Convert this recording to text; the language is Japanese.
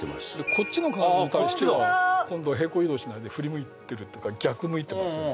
こっちの鏡に対しては今度は平行移動しないで振り向いてるっていうか逆向いてますよね